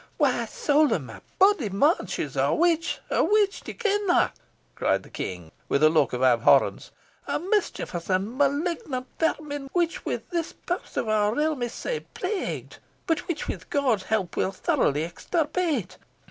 "Why, saul o' my body! man, she's a witch a witch! d'ye ken that?" cried the King, with a look of abhorrence; "a mischievous and malignant vermin, with which this pairt of our realm is sair plagued, but which, with God's help, we will thoroughly extirpate.